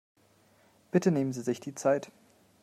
Bitte nehmen Sie sich die Zeit.